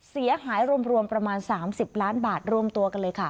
เสียหายรวมประมาณ๓๐ล้านบาทรวมตัวกันเลยค่ะ